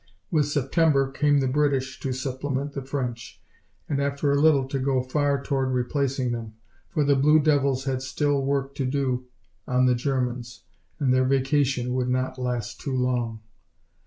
With September came the British to supplement the French and, after a little, to go far toward replacing them. For the Blue Devils had still work to do on the Germans, and their "vacation" could not last too long.